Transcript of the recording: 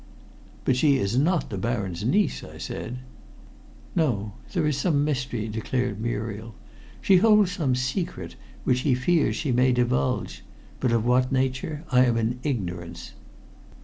"But she is not the Baron's niece?" I said. "No. There is some mystery," declared Muriel. "She holds some secret which he fears she may divulge. But of what nature, I am in ignorance."